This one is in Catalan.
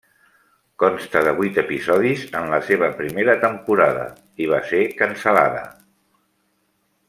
Consta de vuit episodis en la seva primera temporada i va ser cancel·lada.